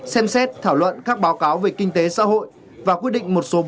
xem xét thảo luận các báo cáo về kinh tế xã hội